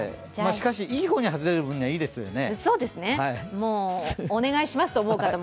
しかし、いい方に外れる分にはいいですよね。